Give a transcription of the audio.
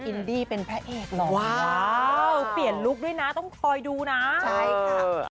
อินดี้เป็นพระเอกเหรอว้าวเปลี่ยนลุคด้วยนะต้องคอยดูนะใช่ค่ะ